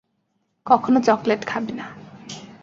কখনও চকলেট খাবে না।